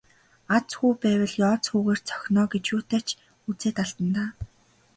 Аз хүү байвал ёоз хүүгээр цохино оо гэж юутай ч үзээд алдана даа.